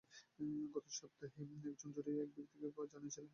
গত সপ্তাহেই একজন জুরি এক ব্যক্তিকে ধন্যবাদ জানিয়েছেন।